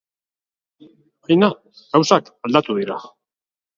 Baina, gauzak aldatu dira.